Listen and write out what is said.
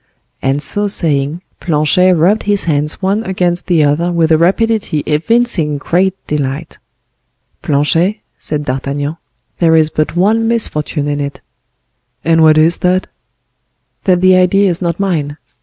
And so saying, Planchet rubbed his hands one against the other with a rapidity evincing great delight. "Planchet," said D'Artagnan, "there is but one misfortune in it." "And what is that?" "That the idea is not mine.